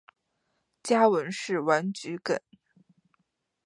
家纹是丸桔梗。